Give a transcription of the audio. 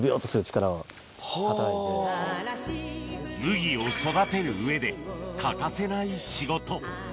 麦を育てる上で欠かせない仕事